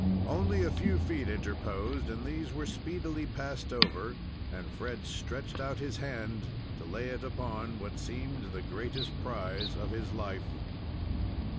Only a few feet interposed, and these were speedily passed over, and Fred stretched out his hand to lay it upon what seemed the greatest prize of his life.